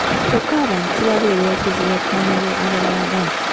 Kyokka abantu kibabeerera kizibu okumanya ababaagala!